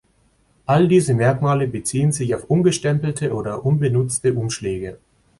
Alle diese Merkmale beziehen sich auf ungestempelte oder unbenutzte Umschläge.